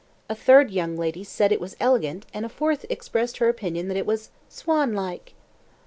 A third young lady said it was elegant, and a fourth expressed her opinion that it was "swan like."